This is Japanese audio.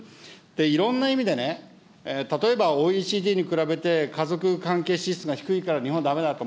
いろんな意味でね、例えばＯＥＣＤに比べて家族関係支出が低いから日本はだめだと。